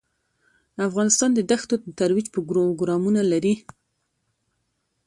افغانستان د دښتو د ترویج پروګرامونه لري.